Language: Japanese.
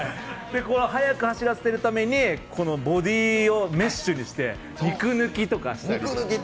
速く走らせるためにボディーをメッシュにして肉抜きにしたり。